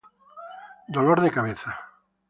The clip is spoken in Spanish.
dolor de cabeza